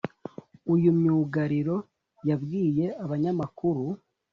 uyu myugariro yabwiye abanyamakuru